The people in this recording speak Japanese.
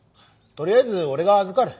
とりあえず俺が預かる。